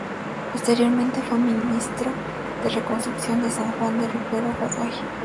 Posteriormente, fue Ministro de Reconstrucción de San Juan, de Ruperto Godoy.